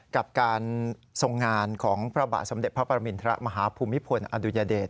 กับการทรงงานของพระบาทสมเด็จพระปรมินทรมาฮภูมิพลอดุญเดช